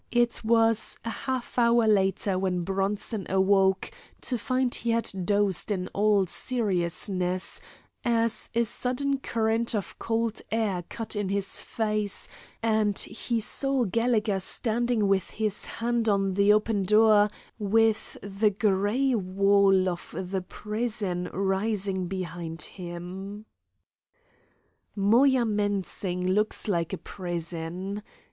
It was a half hour later when Bronson awoke to find he had dozed in all seriousness, as a sudden current of cold air cut in his face, and he saw Gallegher standing with his hand on the open door, with the gray wall of the prison rising behind him. Moyamensing looks like a prison.